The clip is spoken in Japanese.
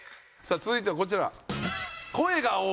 続いてはこちら。